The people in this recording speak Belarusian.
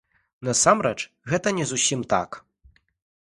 Насамрэч, гэта не зусім так.